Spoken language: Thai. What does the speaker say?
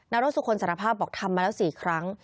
รสสุคนสารภาพบอกทำมาแล้ว๔ครั้ง